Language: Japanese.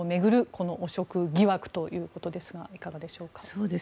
この汚職疑惑ということですがいかがでしょうか。